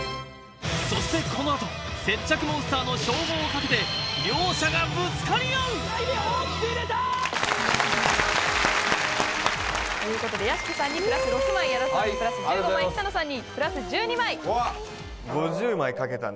そしてこのあと接着モンスターの称号をかけて両者がぶつかり合うということで屋敷さんにプラス６枚矢田さんにプラス１５枚北乃さんにプラス１２枚！